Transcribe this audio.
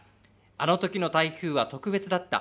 あのときの台風は特別だった。